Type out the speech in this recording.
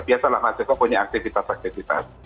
biasalah mahasiswa punya aktivitas aktivitas